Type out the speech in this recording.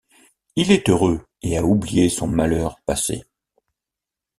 Il est heureux et a oublié son malheur passé.